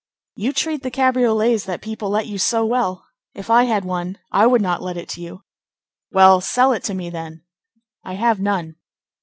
"You treat the cabriolets that people let you so well! If I had one, I would not let it to you!" "Well, sell it to me, then." "I have none."